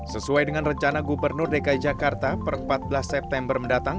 sesuai dengan rencana gubernur dki jakarta per empat belas september mendatang